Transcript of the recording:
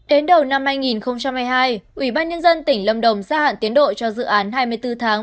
đến đầu năm hai nghìn hai mươi hai ủy ban nhân dân tỉnh lâm đồng gia hạn tiến độ cho dự án hai mươi bốn tháng